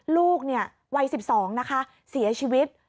ลูกวัย๑๒นะคะเสียชีวิต